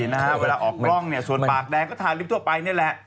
แต่เวลาออกกล้องส่วนปากแดงก็ทาลิฟต์ทั่วไปนี่แหละ